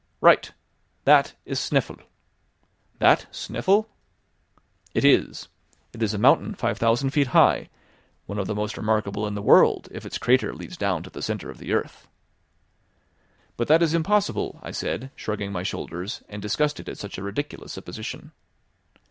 "Right. That is Snæfell." "That Snæfell?" "It is. It is a mountain five thousand feet high, one of the most remarkable in the world, if its crater leads down to the centre of the earth." "But that is impossible," I said shrugging my shoulders, and disgusted at such a ridiculous supposition.